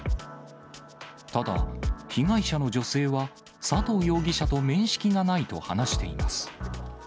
ただ、被害者の女性は佐藤容疑者と面識がないと話しています。